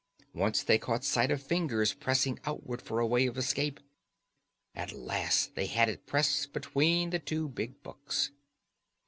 Once they caught sight of fingers pressing outward for a way of escape. At last they had it pressed between the two big books.